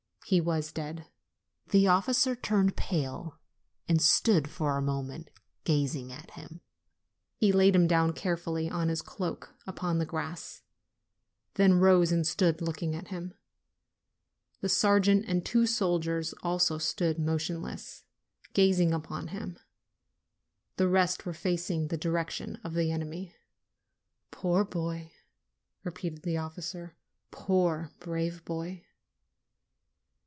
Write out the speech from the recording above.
He was dead. The officer turned pale and stood for a moment gazing at him. He laid him down carefully on his cloak upon the grass ; then rose and stood looking at him. The sergeant and two soldiers also stood motionless, gazing upon him. The rest were facing the direction of the enemy. "Poor boy!" repeated the officer. "Poor, brave boy